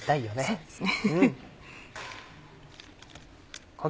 そうですね。